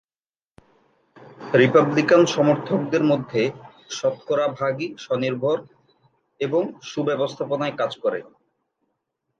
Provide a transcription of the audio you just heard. Republican সমর্থকদের মধ্যে শতকরা ভাগই স্ব-নির্ভর এবং সু-ব্যবস্থাপনায় কাজ করে।